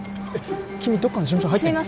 君どっかの事務所に入ってるの？